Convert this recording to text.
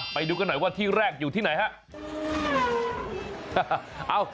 ไปดูกันหน่อยว่าที่แรกอยู่ที่ไหนครับ